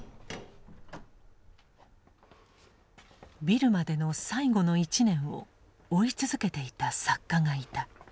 ビルマでの最後の１年を追い続けていた作家がいた。